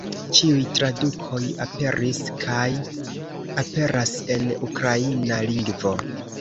Ĉiuj tradukoj aperis kaj aperas en ukraina lingvo.